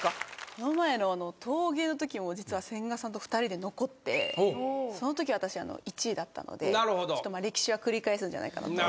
この前の陶芸の時も実は千賀さんと二人で残ってその時私１位だったので歴史は繰り返すんじゃないかなと。